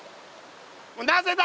なぜだ？